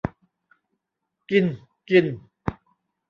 กินกิน